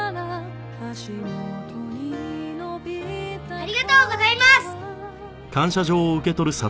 ありがとうございます！